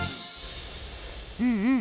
うんうん。